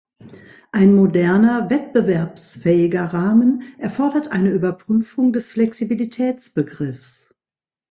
Ein moderner wettbewerbsfähiger Rahmen erfordert eine Überprüfung des Flexibilitätsbegriffs.